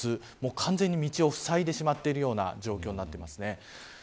完全に道をふさいでしまっているような状況です。